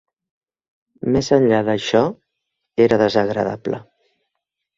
Més enllà d'això, era desagradable.